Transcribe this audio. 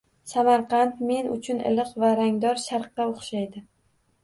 Samarqand men uchun iliq va rangdor Sharqqa o‘xshaydi.